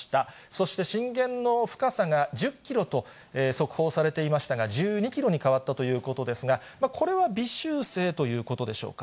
そして震源の深さが１０キロと速報されていましたが、１２キロに変わったということですが、これは微修正ということでしょうか。